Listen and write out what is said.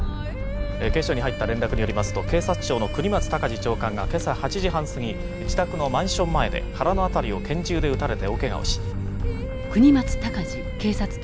警視庁に入った連絡によりますと警察庁の國松孝次長官が今朝８時半過ぎ自宅のマンション前で腹の辺りを拳銃で撃たれて大けがをし。